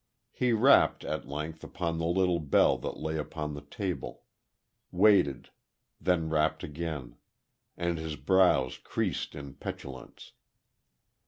He rapped, at length, upon the little bell that lay upon the table. Waited; then rapped again. And his brows creased in petulance.